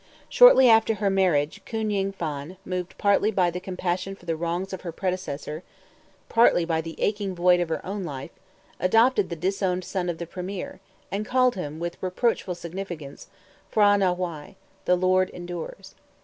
Shortly after her marriage, Koon Ying Phan, moved partly by compassion for the wrongs of her predecessor, partly by the "aching void" of her own life, adopted the disowned son of the premier, and called him, with reproachful significance, P'hra Nah Why, "the Lord endures."